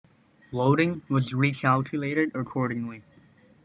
Loading was recalculated accordingly.